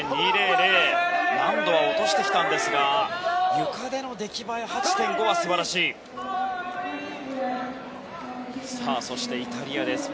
難度は落としてきたんですがゆかでの出来栄え、８．５は素晴らしいです。